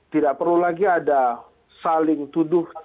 tidak perlu lagi ada saling tuduh